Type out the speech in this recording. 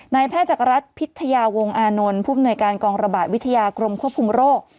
นายแพทย์จักรรัฐพิทยาวงอานนท์ผู้มนวยการกองระบาดวิทยากรมควบคุมโรค